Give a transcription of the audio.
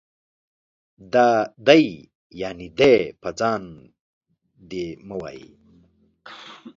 دا دی يعنې دے په ځای باندي دي مه وايئ